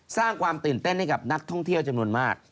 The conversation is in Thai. สร้างความตื่นเต้นให้กับนักท่องเที่ยวจำนวนมาก